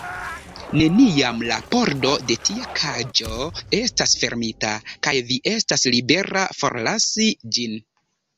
Neniam la pordo de tia kaĝo estas fermita, kaj vi estas libera forlasi ĝin.